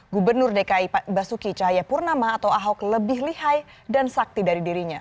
gubernur dki basuki cahayapurnama atau ahok lebih lihai dan sakti dari dirinya